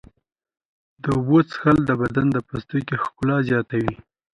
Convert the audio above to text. د اوبو څښل د بدن د پوستکي ښکلا زیاتوي.